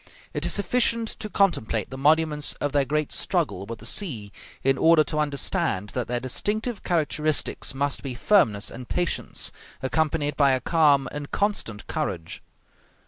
It is sufficient to contemplate the monuments of their great struggle with the sea in order to understand that their distinctive characteristics must be firmness and patience, accompanied by a calm and constant courage.